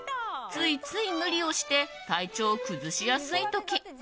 ついつい無理をして体調を崩しやすい時。